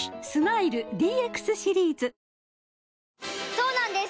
そうなんです